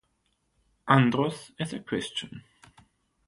Andrus is a Christian.